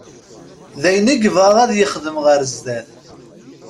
D ayen i yebɣa ad yexdem ɣer sdat.